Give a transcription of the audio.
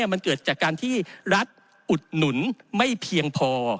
มันเกิดจากการที่รัฐอุดหนุนไม่เพียงพอ